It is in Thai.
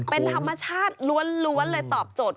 เป็นธรรมชาติล้วนเลยตอบโจทย